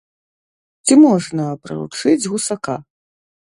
Ці можна прыручыць гусака?